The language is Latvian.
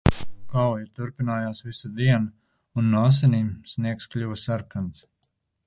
Kauja turpinājās visu dienu un no asinīm sniegs kļuva sarkans.